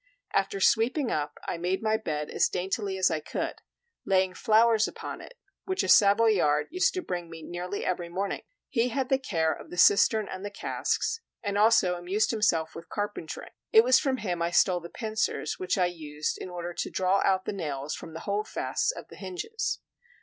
After sweeping up, I made my bed as daintily as I could, laying flowers upon it, which a Savoyard used to bring me nearly every morning. He had the care of the cistern and the casks, and also amused himself with carpentering; it was from him I stole the pincers which I used in order to draw out the nails from the holdfasts of the hinges.